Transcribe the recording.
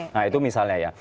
nah itu misalnya ya